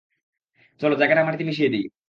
চলো, জায়গাটাকে মাটিতে মিশিয়ে দিই!